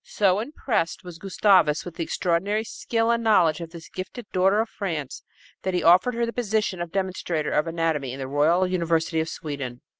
So impressed was Gustavus with the extraordinary skill and knowledge of this gifted daughter of France that he offered her the position of demonstrator of anatomy in the royal University of Sweden.